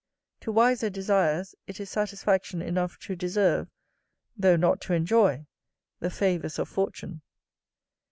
To wiser desires it is satisfaction enough to deserve, though not to enjoy, the favours of fortune.